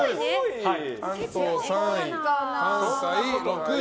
関東３位、関西６位。